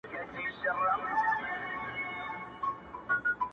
پوهېږمه چي تاک هم د بل چا پر اوږو بار دی,